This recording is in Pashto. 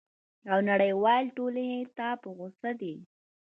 او نړیوالي ټولني ته په غوصه دی!